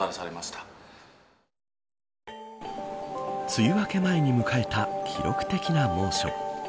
梅雨明け前に迎えた記録的な猛暑。